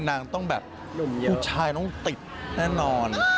นางต้องแบบผู้ชายต้องติดแน่นอน